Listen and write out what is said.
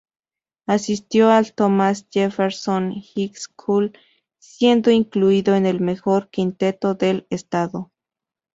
Asistió al Thomas Jefferson High School, siendo incluido en el mejor quinteto del estado.